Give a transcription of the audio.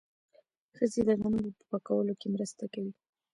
ښځې د غنمو په پاکولو کې مرسته کوي.